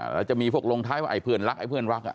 แล้วจะมีพวกลงท้ายว่าไอ้เพื่อนรักไอ้เพื่อนรัก